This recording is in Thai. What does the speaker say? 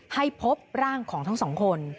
ให้พบร่างของทั้งสองคน